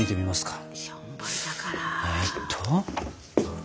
えっと。